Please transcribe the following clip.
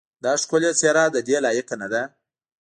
دا ښکلې څېره ددې لایقه نه ده.